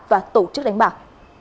và tổ chức đánh bạc